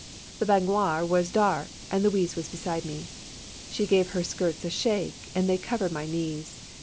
The baignoire was dark and Louise was beside me. She gave her skirts a shake and they cov ered my knees.